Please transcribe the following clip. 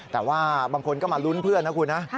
แต่ว่าบางคนก็มาลุ้นเพื่อนนะคุณนะ